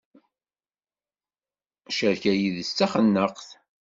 Ccerka yid-s d taxennaqt.